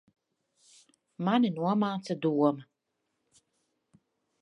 Mani nomāca doma.